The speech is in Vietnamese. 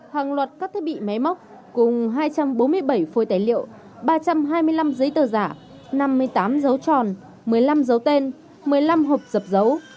hàng loạt các thiết bị máy móc cùng hai trăm bốn mươi bảy phôi tài liệu ba trăm hai mươi năm giấy tờ giả năm mươi tám dấu tròn một mươi năm dấu tên một mươi năm hộp dập dấu